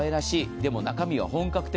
でも中身は本格的。